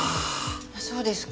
そうですか。